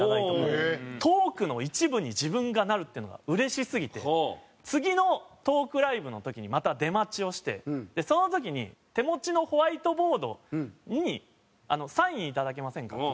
トークの一部に自分がなるっていうのがうれしすぎて次のトークライブの時にまた出待ちをしてその時に手持ちのホワイトボードに「サインいただけませんか？」って言って。